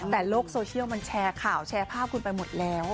แต่โลกโซเชียลมันแชร์ข่าวแชร์ภาพคุณไปหมดแล้ว